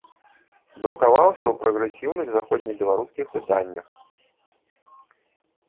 Друкаваўся ў прагрэсіўных заходнебеларускіх выданнях.